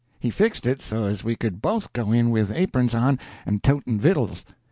He fixed it so as we could both go in with aperns on and toting vittles.